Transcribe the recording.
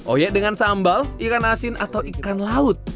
oyek dengan sambal ikan asin atau ikan laut